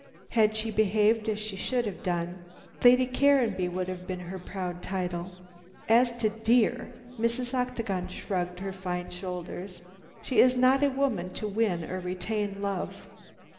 Had she behaved as she should have done, Lady Caranby would have been her proud title. As to dear," Mrs. Octagon shrugged her fine shoulders, "she is not a woman to win or retain love.